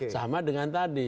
sama dengan tadi